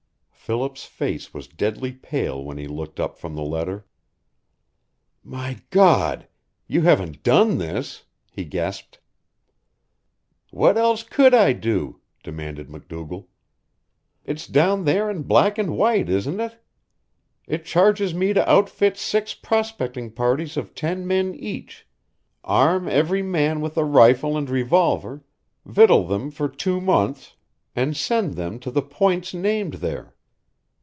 Philip's face was deadly pale when he looked up from the letter. "My God! you haven't done this?" he gasped. "What else could I do?" demanded MacDougall. "It's down there in black and white, isn't it? It charges me to outfit six prospecting parties of ten men each, arm every man with a rifle and revolver, victual them for two months, and send them to the points named there.